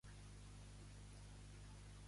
De quina ciutat moderna es tracta Halos?